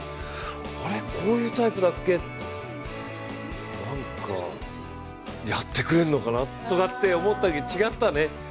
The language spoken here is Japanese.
あれ、こういうタイプだっけ、なんかやってくれるのかなと思ったけど、違ったね。